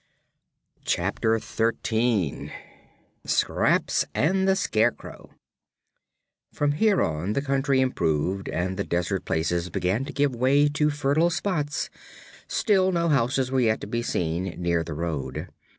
Chapter Thirteen Scraps and the Scarecrow From here on the country improved and the desert places began to give way to fertile spots; still no houses were yet to be seen near the road.